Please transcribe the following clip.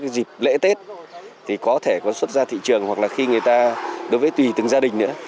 dịp lễ tết thì có thể có xuất ra thị trường hoặc là khi người ta đối với tùy từng gia đình nữa